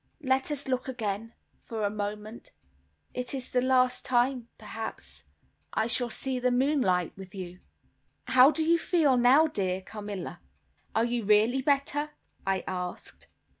"Let us look again for a moment; it is the last time, perhaps, I shall see the moonlight with you." "How do you feel now, dear Carmilla? Are you really better?" I asked.